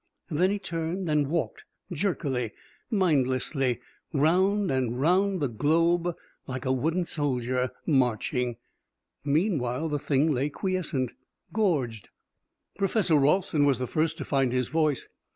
Then he turned and walked jerkily, mindlessly, round and round the globe like a wooden soldier marching. Meanwhile the Thing lay quiescent gorged! Professor Ralston was the first to find his voice.